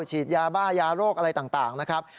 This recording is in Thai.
ฉีดยาบ้ายาโรคอะไรต่างนะครับ